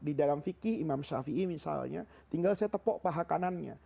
di dalam fiqih imam shafi'i misalnya tinggal saya tepuk paha kanannya